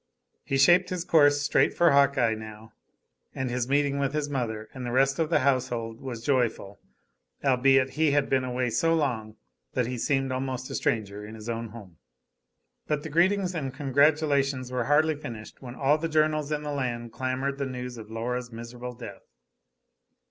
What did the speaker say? He shaped his course straight for Hawkeye, now, and his meeting with his mother and the rest of the household was joyful albeit he had been away so long that he seemed almost a stranger in his own home. But the greetings and congratulations were hardly finished when all the journals in the land clamored the news of Laura's miserable death.